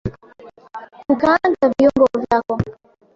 Kukaanga viungo vyako